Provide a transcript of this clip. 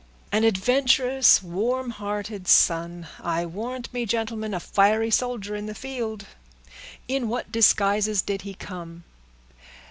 "An adventurous, warm hearted son—I warrant me, gentlemen, a fiery soldier in the field! In what disguises did he come?"